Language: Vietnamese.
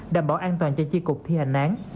đảm bảo an toàn cho chi cục thi hành án